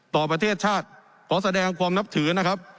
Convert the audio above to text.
ต่อประเทศชาติเดี๋ยวค่ะขอแสดงความนับถือนะครับ